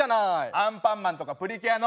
「アンパンマン」とか「プリキュア」の。